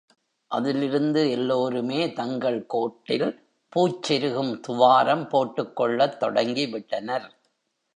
அதிலிருந்து எல்லோருமே தங்கள் கோட்டில் பூச் செருகும் துவாரம் போட்டுக் கொள்ளத் தொடங்கிவிட்டனர்.